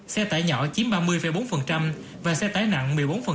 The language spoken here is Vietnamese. xe tải nhỏ chiếm ba mươi bốn và xe tải nặng